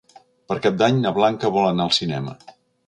Per Cap d'Any na Blanca vol anar al cinema.